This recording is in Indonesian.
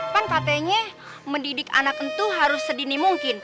kan katanya mendidik anak itu harus sedini mungkin